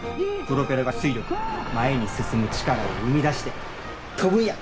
プロペラが推力前に進む力を生み出して飛ぶんや！